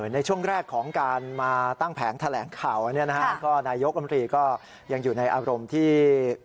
ในช่วงแรกของการมาตั้งแผงแถลงข่าวเนี่ยนะฮะก็นายกรมรีก็ยังอยู่ในอารมณ์ที่